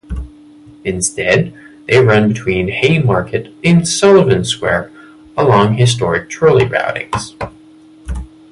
Instead, they run between Haymarket and Sullivan Square along historic trolley routings.